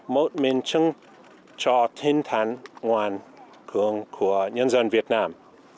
một mình chứng cho tinh thần ngoan cường của nhân dân việt nam